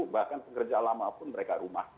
bahkan pekerja lama pun mereka rumah